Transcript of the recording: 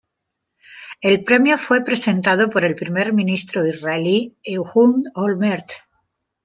El premio fue presentado por el primer ministro israelí, Ehud Olmert.